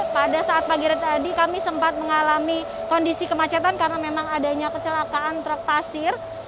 pada saat pagi tadi kami sempat mengalami kondisi kemacetan karena memang adanya kecelakaan truk pasir